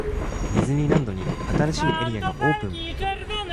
ディズニーランドに、新しいエリアがオープン!!